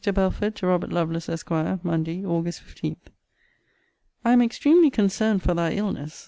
BELFORD, TO ROBERT LOVELACE, ESQ. MONDAY, AUG. 15. I am extremely concerned for thy illness.